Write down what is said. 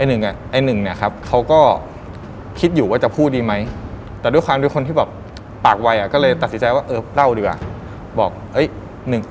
ไอ้หนึ่งเนี่ยครับเขาก็คิดอยู่ว่าจะพูดดีไหมแต่ด้วยความที่คนที่แบบปากไวอ่ะก็เลยตัดสินใจว่าเออเล่าดีกว่าบอก